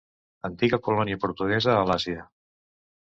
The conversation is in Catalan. Antiga colònia portuguesa a l'Àsia.